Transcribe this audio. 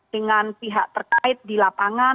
dengan pihak terkait di lapangan